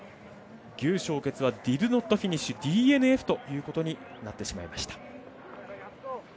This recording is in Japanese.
牛少傑はディドノットフィニッシュＤＮＦということになってしまいました。